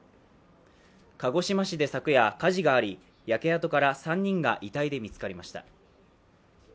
鹿児島市で昨夜、火事があり焼け跡から３人が遺体で見つかりました。